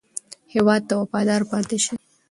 هېواد ته وفادار پاتې شئ.